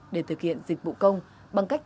để thực hiện dịch vụ công bằng cách